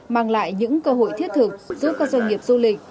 mang lại những cơ hội thiết thực giúp các doanh nghiệp du lịch